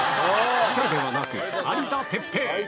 記者ではなく有田哲平。